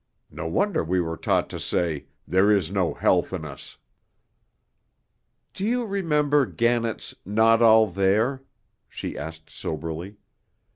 No wonder we were taught to say, 'There is no health in us.'" "Do you remember Gannett's 'Not All There'?" she asked soberly.